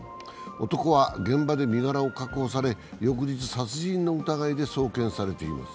男は現場で身柄を確保され、翌日殺人の疑いで送検されています。